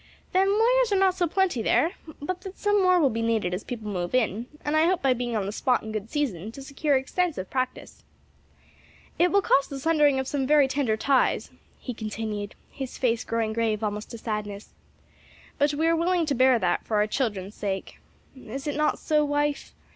"Then lawyers are not so plenty there but that some more will be needed as people move in, and I hope by being on the spot in good season, to secure extensive practice. "It will cost the sundering of some very tender ties," he continued, his face growing grave almost to sadness, "but we are willing to bear that for our children's sake. Is it not so; wife?"